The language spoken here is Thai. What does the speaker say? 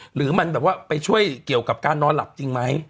หรือมันแบบว่าไปช่วยเกี่ยวกับการนอนหลับจริงไหม